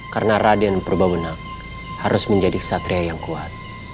karena raden purbamenak harus menjadi ksatria yang kuat